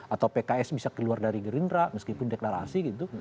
atau pks bisa keluar dari gerindra meskipun deklarasi gitu